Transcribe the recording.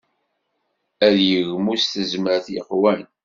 Ad yegmu s tezmert yeqwan.